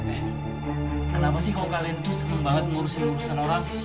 eh kenapa sih kalau kalian tuh serem banget ngurusin urusan orang